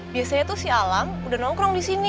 biasanya tuh si alang udah nongkrong disini